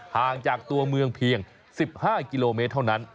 ห่างจากตัวเมืองเพียง๑๕กิโลเมตรเท่านั้น